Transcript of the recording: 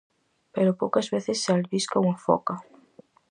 Pero poucas veces se albisca unha foca.